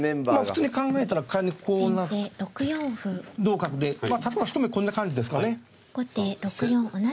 普通に考えたら仮にこうなって同角でまあ角はひと目こんな感じですかね。